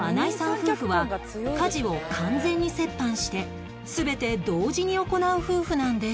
夫婦は家事を完全に折半して全て同時に行う夫婦なんです